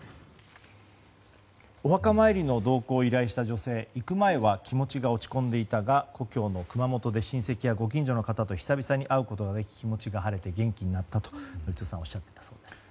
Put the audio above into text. お墓参りの同行を依頼した女性行く前は気持ちが落ち込んでいたが故郷の熊本で親戚やご近所の方と久々に会うことができ、気持ちが元気になったと、宜嗣さんおっしゃっていたそうです。